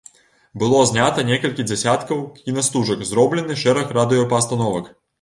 Было знята некалькі дзясяткаў кінастужак, зроблены шэраг радыёпастановак.